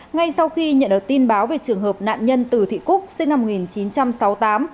ngay sau khi nhận được tin báo về trường hợp nạn nhân từ thị cúc sinh năm một nghìn chín trăm sáu mươi tám